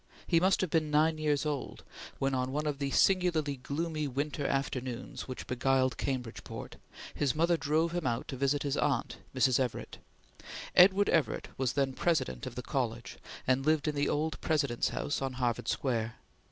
He must have been nine years old when on one of the singularly gloomy winter afternoons which beguiled Cambridgeport, his mother drove him out to visit his aunt, Mrs. Everett. Edward Everett was then President of the college and lived in the old President's House on Harvard Square.